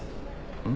うん。